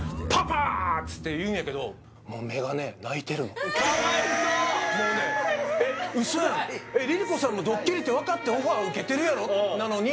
つって言うんやけどもうええかわいそう切ないえっウソやんＬｉＬｉＣｏさんもドッキリって分かってオファー受けてるやろなのに